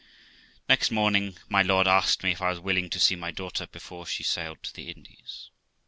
Next morning my lord asked me if I was willing to see my daughter before she sailed to the Indies.